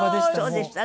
そうでした？